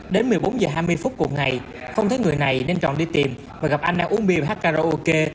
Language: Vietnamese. đến một mươi bốn h hai mươi phút cuộc ngày không thấy người này nên tròn đi tìm và gặp anh đang uống bia và hát karaoke